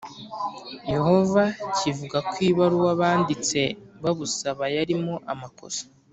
Yehova kivuga ko ibaruwa banditse babusaba yarimo amakosa